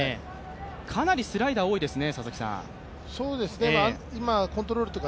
かなりスライダーが多いですね。